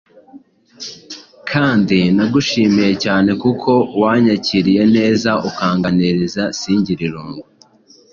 kandi nagushimiye cyane kuko wanyakiriye neza ukanganiriza singire irungu,